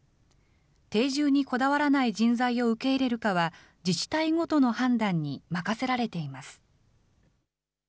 定住にこだわらない人材を受け入れるかは、自治体ごとの判断に任せられています。